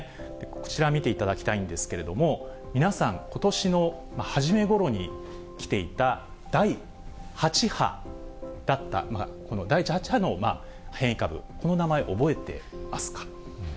こちら見ていただきたいんですけれども、皆さん、ことしの初めごろに来ていた第８波だった、この第８波の変異株、この名前、覚えてますか？